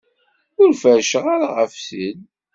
Ur feṛṛceɣ ara ɣef sin.